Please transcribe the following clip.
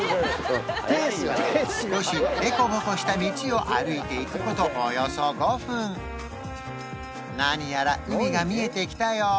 少し凸凹した道を歩いていくことおよそ５分何やら海が見えてきたよ